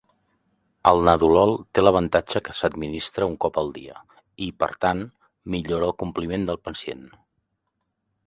El nadolol té l'avantatge que s'administra un cop al dia i, per tant, millora el compliment del pacient.